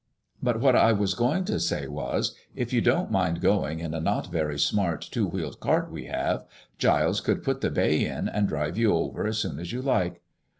But what I was going to say was, if you don't mind going in a not very smart two wheeled cart we have, Giles could put the bay in, and drive you over as soon as you like.